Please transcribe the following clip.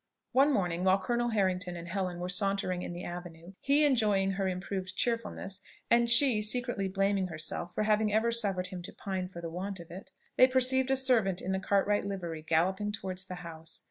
One morning, while Colonel Harrington and Helen were, sauntering in the avenue, he enjoying her improved cheerfulness, and she secretly blaming herself for having ever suffered him to pine for the want of it, they perceived a servant in the Cartwright livery galloping towards the house.